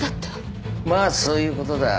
まあそういうことだ。